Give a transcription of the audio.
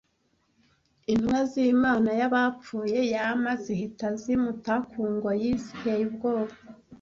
Intumwa z’[imana y’abapfuye] Yama zihita zimuta ku ngoyi ziteye ubwoba